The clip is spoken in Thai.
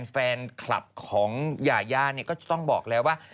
แฟนคลับของยาเนี่ยก็ต้องบอกแล้วว่า